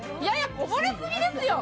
こぼれすぎですよ。